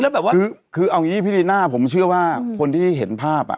แล้วแบบว่าคือเอางี้พี่ลีน่าผมเชื่อว่าคนที่เห็นภาพอ่ะ